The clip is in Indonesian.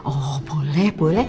oh boleh boleh